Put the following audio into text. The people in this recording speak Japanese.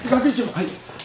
はい。